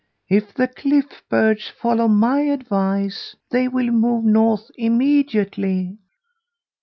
If the cliff birds follow my advice, they will move north immediately.'